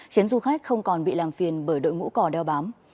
khiến du khách không còn bị làm phiền bởi đội ngũ cò đeo bám